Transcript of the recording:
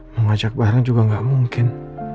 mau ngajak barang juga gak mungkin